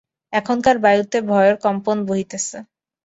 এখানকার বায়ুতে ভয়ের কম্পন বহিতেছে।